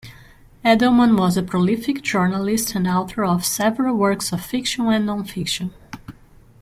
Edelman was a prolific journalist and author of several works of fiction and non-fiction.